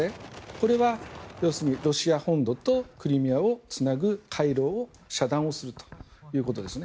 これは要するにロシア本土とクリミアをつなぐ退路を遮断するということですね